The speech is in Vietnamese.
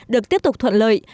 được tiếp tục thuận lợi